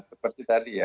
seperti tadi ya